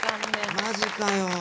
マジかよ。